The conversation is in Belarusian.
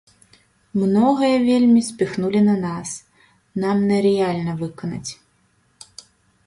Многае вельмі спіхнулі на нас, нам нерэальна выканаць.